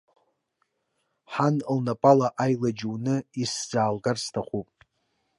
Ҳан лнапала аилаџь уны исзаалгар сҭахуп.